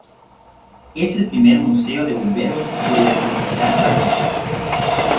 Es el primer museo de bomberos de la Comunidad Valenciana.